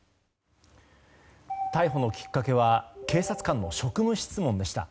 逮捕のきっかけは警察官の職務質問でした。